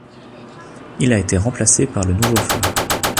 Il a été remplacé par le nouveau phare.